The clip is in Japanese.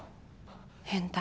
変態。